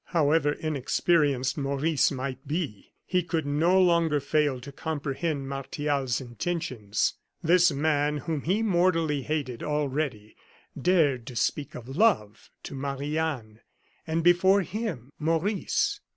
However inexperienced Maurice might be, he could no longer fail to comprehend Martial's intentions. This man whom he mortally hated already, dared to speak of love to Marie Anne, and before him, Maurice.